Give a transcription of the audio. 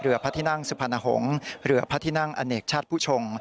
เรือพระทินั่งสุพนหงษ์เรือพระทินั่งอเนกชาติผู้ชม